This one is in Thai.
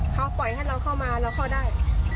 เขาปล่อยให้เราเข้ามาเราเข้าได้